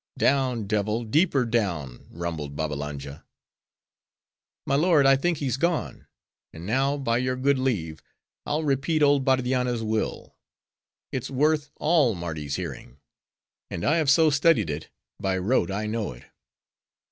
"Down, devil! deeper down!" rumbled Babbalanja. "My lord, I think he's gone. And now, by your good leave, I'll repeat old Bardianna's Will. It's worth all Mardi's hearing; and I have so studied it, by rote I know it."